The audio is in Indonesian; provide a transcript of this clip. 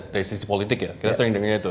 dari sisi politik ya kita sering dengar itu